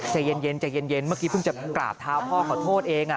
ใจเย็นใจเย็นเมื่อกี้เพิ่งจะกราบเท้าพ่อขอโทษเอง